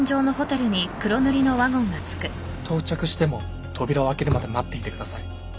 到着しても扉を開けるまで待っていてください。